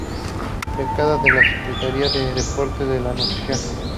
Becada por la Secretaría de Deportes de la Nación.